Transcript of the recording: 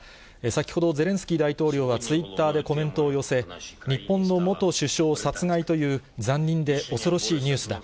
先ほど、ゼレンスキー大統領はツイッターでコメントを寄せ、日本の元首相殺害という残忍で恐ろしいニュースだ。